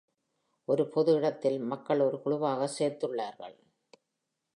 ஒரு பொது இடத்தில் மக்கள் ஒரு குழுவாகச் சேர்த்துள்ளார்கள்.